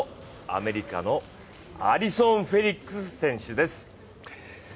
アメリカのアリソン・フェリックス選手です。